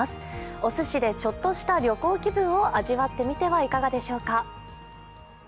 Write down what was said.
おすしでちょっとした旅行気分を味わってはいかがでしょうか。